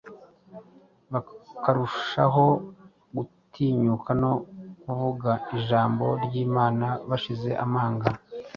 bakarushaho gutinyuka no kuvuga Ijambo ry’Imana bashize amanga.”